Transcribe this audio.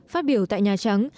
phát biểu tại nhà trắng